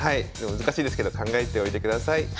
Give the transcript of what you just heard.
難しいですけど考えておいてください。